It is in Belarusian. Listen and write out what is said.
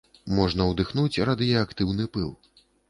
Можна удыхнуць радыеактыўны пыл.